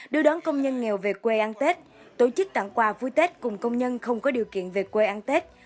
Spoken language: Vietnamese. đưa đón công nhân nghèo về quê ăn tết tổ chức tặng quà vui tết cùng công nhân không có điều kiện về quê ăn tết